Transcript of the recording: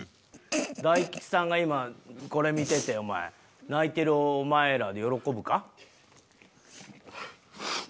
大吉さんが今これ見ててお前泣いてるお前らで喜ぶか？